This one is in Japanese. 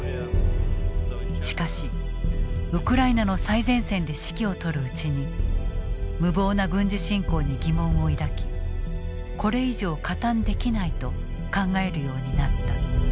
しかしウクライナの最前線で指揮を執るうちに無謀な軍事侵攻に疑問を抱きこれ以上加担できないと考えるようになった。